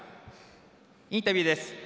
インタビューです。